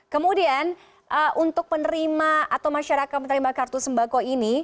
kemudian untuk penerima atau masyarakat menerima kartu sembako ini